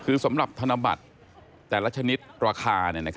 คือสำหรับธนบัตรแต่ละชนิดราคา